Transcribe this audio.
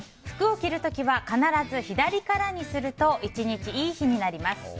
服を着るときは必ず左からにすると１日、いい日になります。